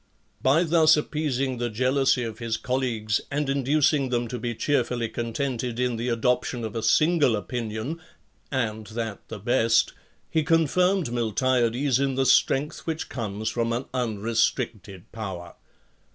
By thus appeasing the jealousy of his colleagues and inducing them to be cheerfully contented in the adoption of a single opinion (and that the best), he confirmed Miltiades in the strength which comes from an unrestricted power.